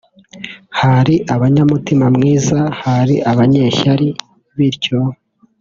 hari abanyamutima mwiza hari abanyeshyari…bityo